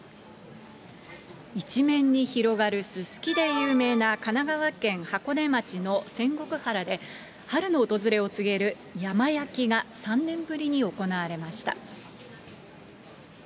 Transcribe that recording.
一面に広がるすすきで有名な神奈川県箱根町の仙石原で、春の訪れを告げる山焼きが３年ぶりに行われました。